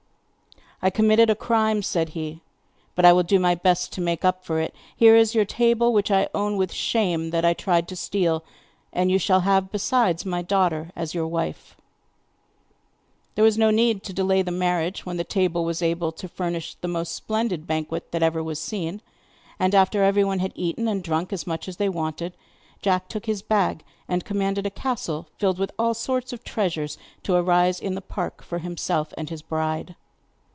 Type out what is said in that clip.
'I committed a crime,' said he; 'but I will do my best to make up for it. Here is your table, which I own with shame that I tried to steal, and you shall have besides, my daughter as your wife!' There was no need to delay the marriage when the table was able to furnish the most splendid banquet that ever was seen, and after everyone had eaten and drunk as much as they wanted, Jack took his bag and commanded a castle filled with all sorts of treasures to arise in the park for himself and his bride.